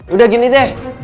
udah gini deh